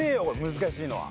難しいのは。